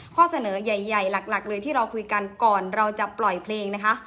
ข้อเสนอใหญ่หลักเลยที่เราคุยกันก่อนเราจะปล่อยเพลงนะคะ